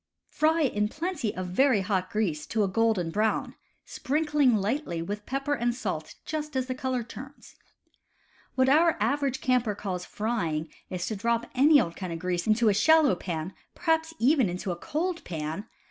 Fry in plenty of very hot grease to a golden brown, sprinkling lightly with pepper and salt just as the color turns. What our average camper calls "frying" is to drop any old kind of grease into a shallow pan (perhaps even into a cold pan!)